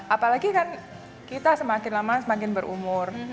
apalagi kan kita semakin lama semakin berumur